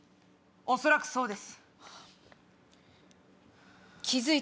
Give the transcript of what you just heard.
恐らくそうです。